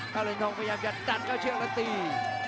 เหรียญทองพยายามจะดันเข้าเชือกแล้วตี